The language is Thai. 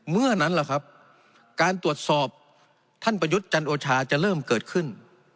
เมื่อนั้นแหละครับการตรวจสอบท่านประยุทธ์จันโอชาจะเริ่มเกิดขึ้น